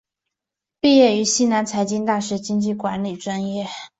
毕业于西南财经大学经济管理专业。